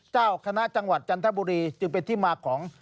เจ้าคณะจังหวัดจันทบุรีจึงเป็นที่มาของ